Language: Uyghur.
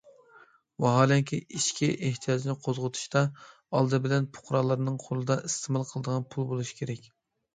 ۋاھالەنكى ئىچكى ئېھتىياجنى قوزغىتىشتا، ئالدى بىلەن پۇقرالارنىڭ قولىدا ئىستېمال قىلىدىغان پۇل بولۇش كېرەك.